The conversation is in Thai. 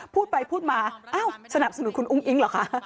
พูดไปพูดมาอ้าวสนับสนุนคุณอุ้งอิ๊งเหรอคะ